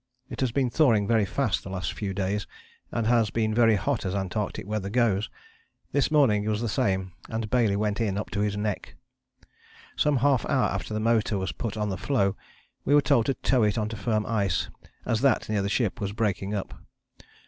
It has been thawing very fast the last few days, and has been very hot as Antarctic weather goes. This morning was the same, and Bailey went in up to his neck. "Some half hour after the motor was put on to the floe, we were told to tow it on to firm ice as that near the ship was breaking up.